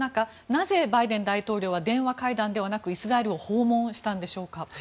なぜ、バイデン大統領は電話会談ではなくイスラエルを訪問したんでしょうか。